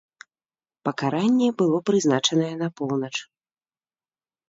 Пакаранне было прызначанае на поўнач.